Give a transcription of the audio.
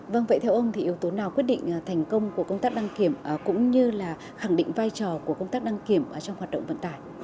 vâng vậy theo ông thì yếu tố nào quyết định thành công của công tác đăng kiểm cũng như là khẳng định vai trò của công tác đăng kiểm trong hoạt động vận tải